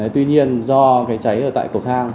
tuy nhiên do cái cháy ở tại cầu thang